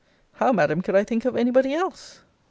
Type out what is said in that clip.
How, Madam, could I think of any body else?